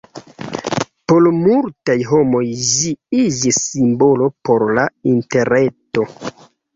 Por multaj homoj ĝi iĝis simbolo por la Interreto.